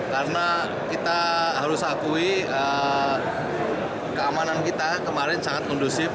karena kita harus akui keamanan kita kemarin sangat kondusif